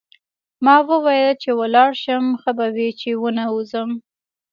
ما وویل چې ولاړ شم ښه به وي چې ونه ځم.